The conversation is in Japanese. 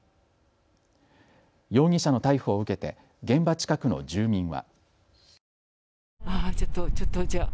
容疑者の逮捕を受けて現場近くの住民は。